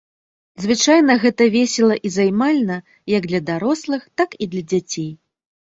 Звычайна гэта весела і займальна як для дарослых, так і для дзяцей.